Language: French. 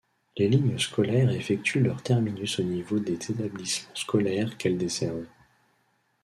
Les lignes scolaires effectuent leur terminus au niveau des établissements scolaires qu'elles desservent.